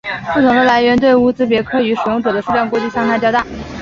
不同的来源对乌兹别克语使用者的数量估计相差较大。